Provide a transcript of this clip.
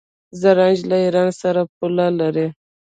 زرنج له ایران سره پوله لري.